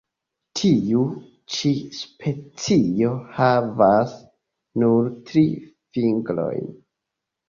Tiu ĉi specio havas nur tri fingrojn.